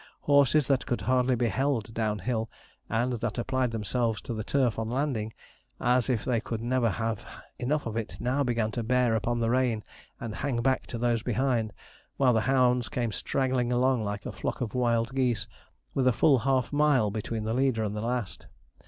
Horses that could hardly be held downhill, and that applied themselves to the turf, on landing, as if they could never have enough of it, now began to bear upon the rein and hang back to those behind; while the hounds came straggling along like a flock of wild geese, with full half a mile between the leader and the last.